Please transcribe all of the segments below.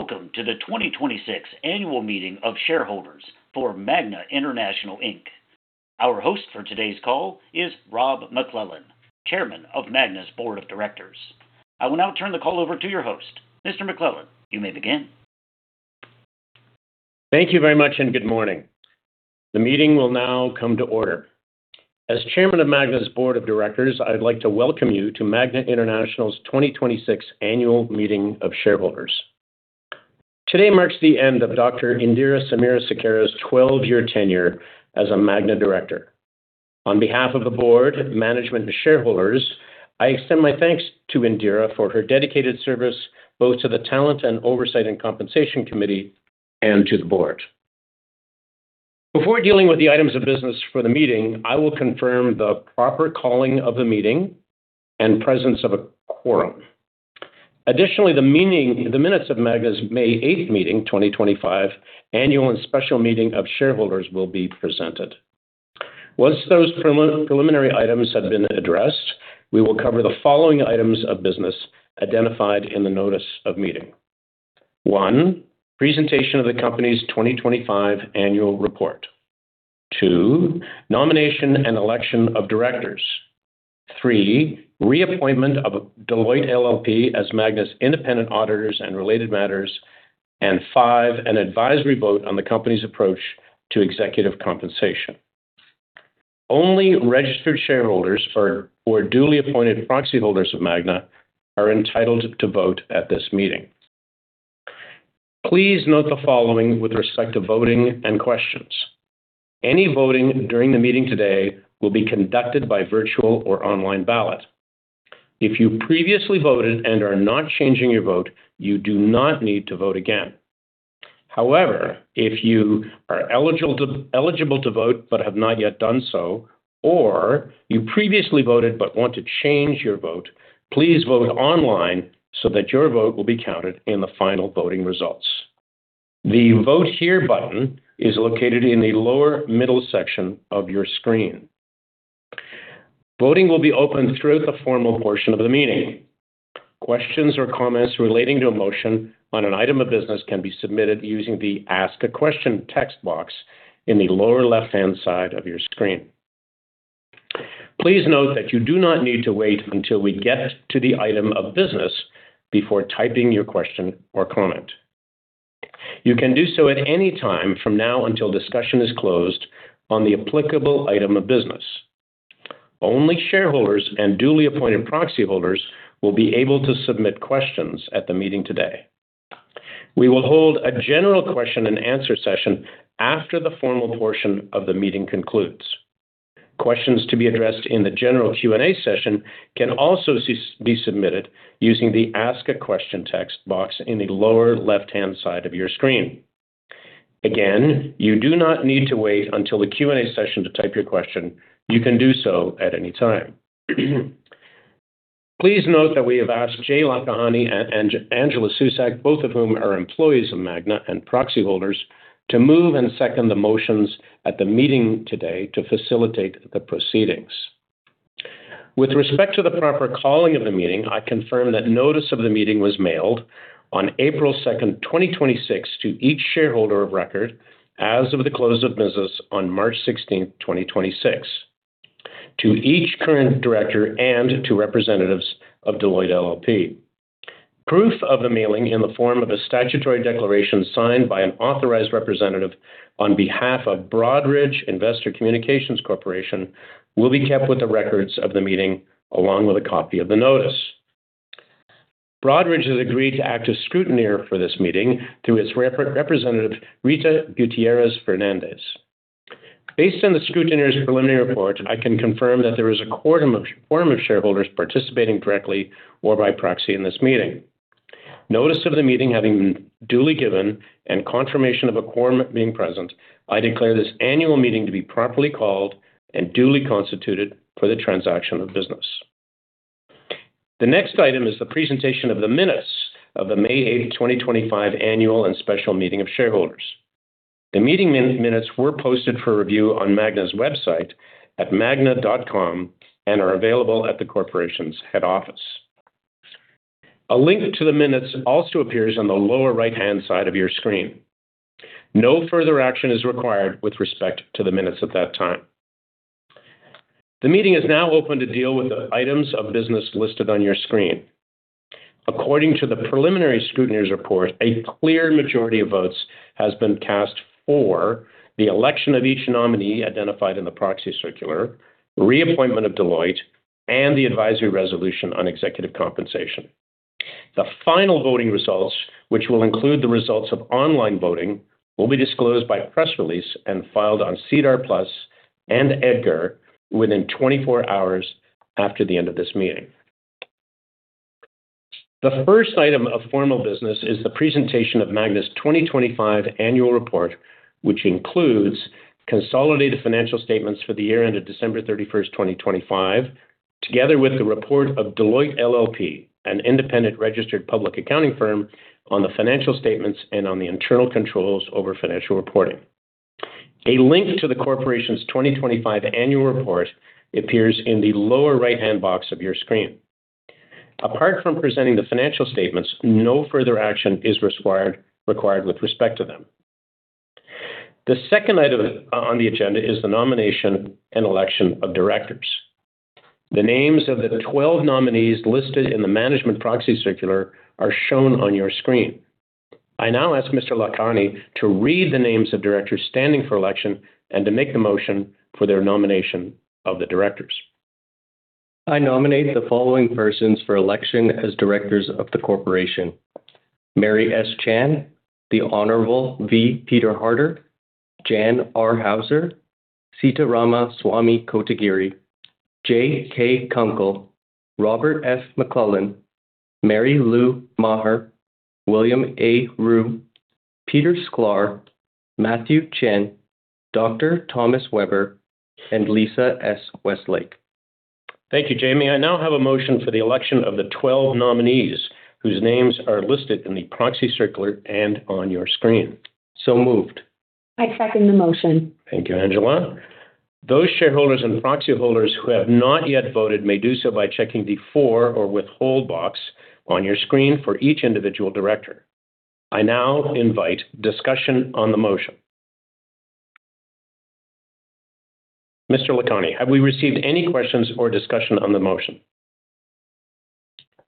Welcome to the 2026 Annual Meeting of Shareholders for Magna International Inc. Our host for today's call is Robert F. MacLellan, Chairman of Magna's Board of Directors. I will now turn the call over to your host. Mr. MacLellan, you may begin. Thank you very much, and good morning. The meeting will now come to order. As Chairman of Magna's Board of Directors, I'd like to welcome you to Magna International's 2026 annual meeting of shareholders. Today marks the end of Dr. Indira V. Samarasekera's 12-year tenure as a Magna Director. On behalf of the Board, management, and shareholders, I extend my thanks to Indira for her dedicated service, both to the Talent and Oversight and Compensation Committee and to the Board. Before dealing with the items of business for the meeting, I will confirm the proper calling of the meeting and presence of a quorum. Additionally, the minutes of Magna's May 8, 2025 annual and special meeting of shareholders will be presented. Once those preliminary items have been addressed, we will cover the following items of business identified in the notice of meeting. 1, presentation of the company's 2025 annual report. 2, nomination and election of directors. 3, reappointment of Deloitte LLP as Magna's independent auditors and related matters, and 5, an advisory vote on the company's approach to executive compensation. Only registered shareholders or duly appointed proxy holders of Magna are entitled to vote at this meeting. Please note the following with respect to voting and questions. Any voting during the meeting today will be conducted by virtual or online ballot. If you previously voted and are not changing your vote, you do not need to vote again. If you are eligible to vote but have not yet done so, or you previously voted but want to change your vote, please vote online so that your vote will be counted in the final voting results. The Vote Here button is located in the lower middle section of your screen. Voting will be open through the formal portion of the meeting. Questions or comments relating to a motion on an item of business can be submitted using the Ask a Question text box in the lower left-hand side of your screen. Please note that you do not need to wait until we get to the item of business before typing your question or comment. You can do so at any time from now until discussion is closed on the applicable item of business. Only shareholders and duly appointed proxy holders will be able to submit questions at the meeting today. We will hold a general question and answer session after the formal portion of the meeting concludes. Questions to be addressed in the general Q&A session can also be submitted using the Ask a Question text box in the lower left-hand side of your screen. You do not need to wait until the Q&A session to type your question, you can do so at any time. Please note that we have asked Jai Lakhani and Angela Susac, both of whom are employees of Magna and proxy holders, to move and second the motions at the meeting today to facilitate the proceedings. With respect to the proper calling of the meeting, I confirm that notice of the meeting was mailed on April 2, 2026 to each shareholder of record as of the close of business on March 16, 2026, to each current director and to representatives of Deloitte LLP. Proof of the mailing in the form of a statutory declaration signed by an authorized representative on behalf of Broadridge Investor Communications Corporation will be kept with the records of the meeting, along with a copy of the notice. Broadridge has agreed to act as scrutineer for this meeting through its representative, Rita Gutierrez Fernandez. Based on the scrutineer's preliminary report, I can confirm that there is a quorum of shareholders participating directly or by proxy in this meeting. Notice of the meeting having been duly given and confirmation of a quorum being present, I declare this annual meeting to be properly called and duly constituted for the transaction of business. The next item is the presentation of the minutes of the May 8, 2025 annual and special meeting of shareholders. The meeting minutes were posted for review on Magna's website at magna.com and are available at the corporation's head office. A link to the minutes also appears on the lower right-hand side of your screen. No further action is required with respect to the minutes at that time. The meeting is now open to deal with the items of business listed on your screen. According to the preliminary scrutineer's report, a clear majority of votes has been cast for the election of each nominee identified in the proxy circular, reappointment of Deloitte, and the advisory resolution on executive compensation. The final voting results, which will include the results of online voting, will be disclosed by press release and filed on SEDAR+ and EDGAR within 24 hours after the end of this meeting. The first item of formal business is the presentation of Magna's 2025 annual report, which includes consolidated financial statements for the year ended December 31st, 2025, together with the report of Deloitte LLP, an independent registered public accounting firm, on the financial statements and on the internal controls over financial reporting. A link to the corporation's 2025 annual report appears in the lower right-hand box of your screen. Apart from presenting the financial statements, no further action is required with respect to them. The second item on the agenda is the nomination and election of directors. The names of the 12 nominees listed in the management proxy circular are shown on your screen. I now ask Mr. Lakhani to read the names of directors standing for election and to make the motion for their nomination of the directors. I nominate the following persons for election as directors of the corporation. Mary S. Chan, The Honorable V. Peter Harder, Jan R. Hauser, Seetarama (Swamy) Kotagiri, Jay K. Kunkel, Robert F. MacLellan, Mary Lou Maher, William A. Ruh, Peter Sklar, Matthew Tsien, Dr. Thomas Weber, and Lisa S. Westlake. Thank you, Jay K. Kunkel. I now have a motion for the election of the 12 nominees whose names are listed in the proxy circular and on your screen. Moved. I second the motion. Thank you, Angela. Those shareholders and proxy holders who have not yet voted may do so by checking the for or withhold box on your screen for each individual director. I now invite discussion on the motion. Mr. Lakhani, have we received any questions or discussion on the motion?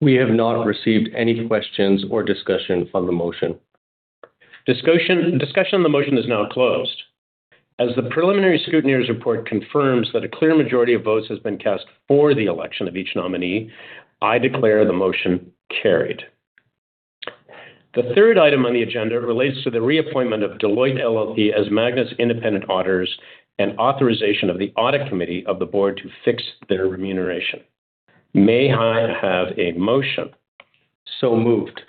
We have not received any questions or discussion on the motion. Discussion, discussion on the motion is now closed. As the preliminary scrutineers report confirms that a clear majority of votes has been cast for the election of each nominee, I declare the motion carried. The third item on the agenda relates to the reappointment of Deloitte LLP as Magna's independent auditors and authorization of the audit committee of the board to fix their remuneration. May I have a motion? Moved.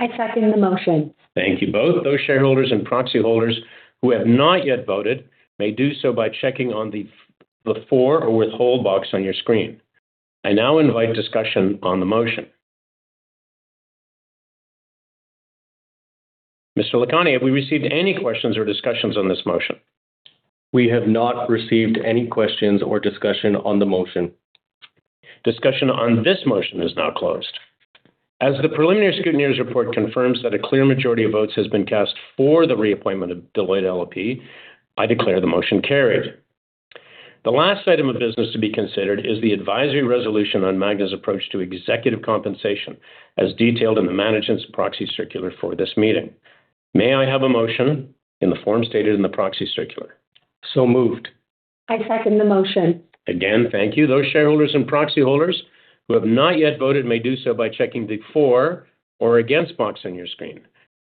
I second the motion. Thank you both. Those shareholders and proxy holders who have not yet voted may do so by checking on the for or withhold box on your screen. I now invite discussion on the motion. Mr. Lakhani, have we received any questions or discussions on this motion? We have not received any questions or discussion on the motion. Discussion on this motion is now closed. As the preliminary scrutineers report confirms that a clear majority of votes has been cast for the reappointment of Deloitte LLP, I declare the motion carried. The last item of business to be considered is the advisory resolution on Magna's approach to executive compensation, as detailed in the management's proxy circular for this meeting. May I have a motion in the form stated in the proxy circular? Moved. I second the motion. Again, thank you. Those shareholders and proxy holders who have not yet voted may do so by checking the for or against box on your screen.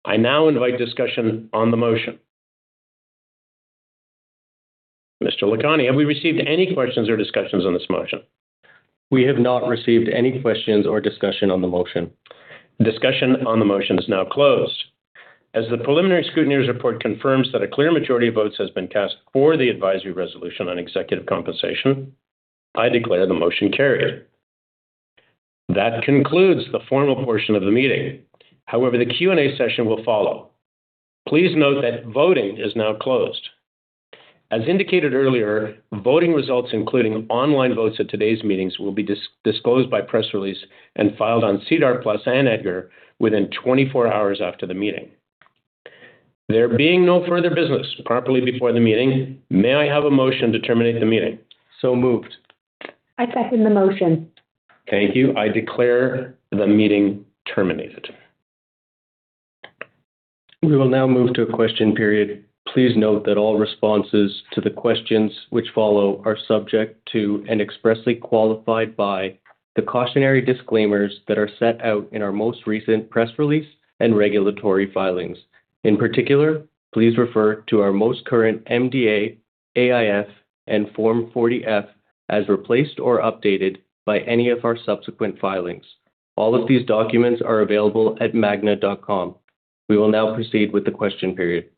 I now invite discussion on the motion. Mr. Lakhani, have we received any questions or discussions on this motion? We have not received any questions or discussion on the motion. Discussion on the motion is now closed. As the preliminary scrutineers report confirms that a clear majority of votes has been cast for the advisory resolution on executive compensation, I declare the motion carried. That concludes the formal portion of the meeting. The Q&A session will follow. Please note that voting is now closed. As indicated earlier, voting results, including online votes at today's meetings, will be disclosed by press release and filed on SEDAR+ and EDGAR within 24 hours after the meeting. There being no further business properly before the meeting, may I have a motion to terminate the meeting? Moved. I second the motion. Thank you. I declare the meeting terminated. We will now move to a question period. Please note that all responses to the questions which follow are subject to, and expressly qualified by, the cautionary disclaimers that are set out in our most recent press release and regulatory filings. In particular, please refer to our most current MDA, AIF, and Form 40-F as replaced or updated by any of our subsequent filings. All of these documents are available at magna.com. We will now proceed with the question period.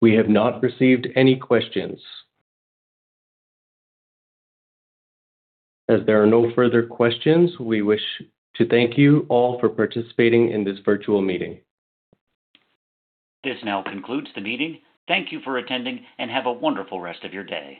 We have not received any questions. As there are no further questions, we wish to thank you all for participating in this virtual meeting. This now concludes the meeting. Thank you for attending, and have a wonderful rest of your day.